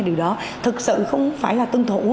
điều đó thật sự không phải là tuân thủ